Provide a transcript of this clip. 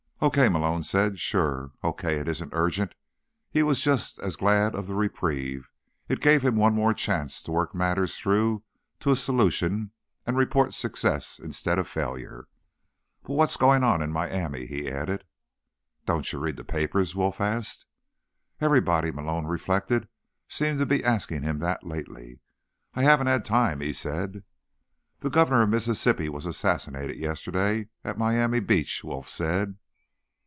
"Oh," Malone said. "Sure. Okay. It isn't urgent." He was just as glad of the reprieve; it gave him one more chance to work matters through to a solution, and report success instead of failure. "But what's going on in Miami?" he added. "Don't you read the papers?" Wolf asked. Everybody, Malone reflected, seemed to be asking him that lately. "I haven't had time," he said. "The governor of Mississippi was assassinated yesterday, at Miami Beach," Wolf said.